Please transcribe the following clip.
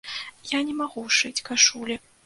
Я не магу шыць кашулі.